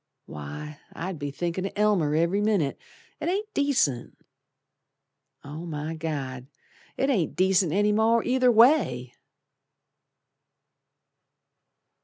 Why! I'd be thinkin' o' Elmer ev'ry minute; It ain't decent. Oh, my God! It ain't decent any more either way!